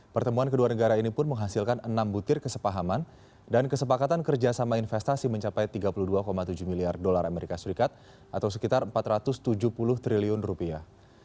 pertemuan kedua negara ini pun menghasilkan enam butir kesepahaman dan kesepakatan kerjasama investasi mencapai tiga puluh dua tujuh miliar dolar amerika serikat atau sekitar empat ratus tujuh puluh triliun rupiah